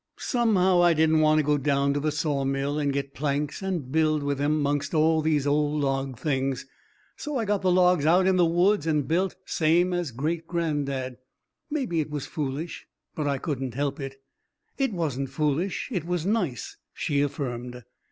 Somehow I didn't want to go down to the sawmill and get planks and build with 'em 'mongst all these old log things. So I got the logs out in the woods and build same as great granddad. Maybe it was foolish, but I couldn't help it." "It wasn't foolish; it was nice," she affirmed.